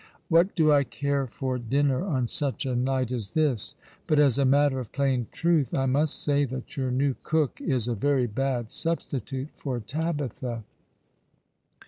'' What do I care for dinner on such a night as this ; but, as a matter of plain truth, I must say that your new cook is a very bad substitute for Tabitha.